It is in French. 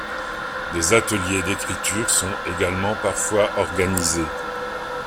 Des ateliers d'écriture sont également parfois organisés.